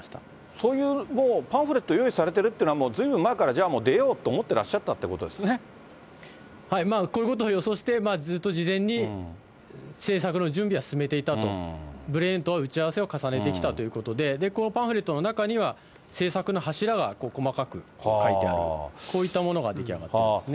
そういうもうパンフレット用意されてるということは、もうずいぶん前から、じゃあもう、出ようと思ってらっしゃったというここういうことを予想して、ずっと事前に政策の準備は進めていたと、ブレーンと打ち合わせを重ねてきたということで、このパンフレットの中には、政策の柱が細かく書いてある、こういったものが出来上がってますね。